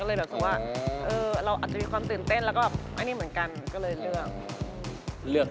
ก็เลยแบบคือว่าเออเราอาจจะมีความตื่นเต้นแล้วก็แบบอันนี้เหมือนกันก็เลยเลือก